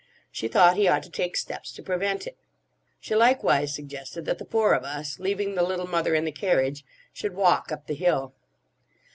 She thought he ought to take steps to prevent it. She likewise suggested that the four of us, leaving the Little Mother in the carriage, should walk up the hill.